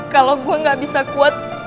kalau gue gak bisa kuat